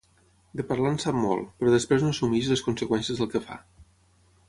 De parlar en sap molt, però després no assumeix les conseqüències del que fa.